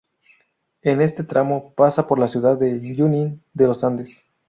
En este tramo, pasa por la ciudad de Junín de los Andes.